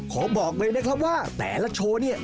ขอบอกเลยนะครับว่าแต่ละโชว์เนี่ย